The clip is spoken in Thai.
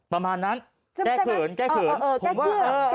ประมาณนั้นแก้เกิร์นใช่มั้ย